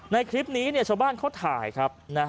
ในคลิปนี้ชาวบ้านเขาถ่ายครับ